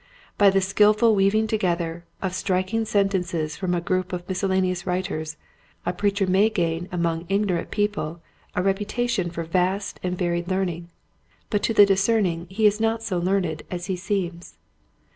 By the skillful weaving together of striking sentences from a group of miscellaneous writers a preacher may gain among ignorant people a reputation for vast and varied learning, but to the dis cerning he is not so learned as he seems.